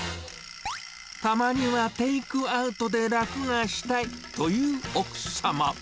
たまにはテイクアウトで楽がしたいと言う奥様。